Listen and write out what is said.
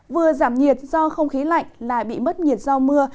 vừa giảm nhiệt do không khí lạnh lại bị mất nhiệt do mưa